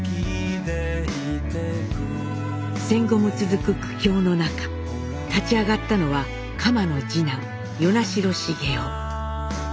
戦後も続く苦境の中立ち上がったのは蒲の次男与那城重雄。